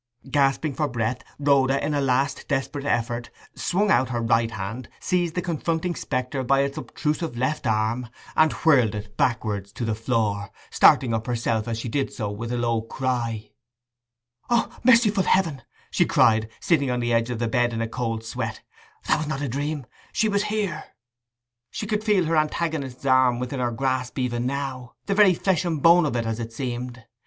Gasping for breath, Rhoda, in a last desperate effort, swung out her right hand, seized the confronting spectre by its obtrusive left arm, and whirled it backward to the floor, starting up herself as she did so with a low cry. 'O, merciful heaven!' she cried, sitting on the edge of the bed in a cold sweat; 'that was not a dream—she was here!' She could feel her antagonist's arm within her grasp even now—the very flesh and bone of it, as it seemed.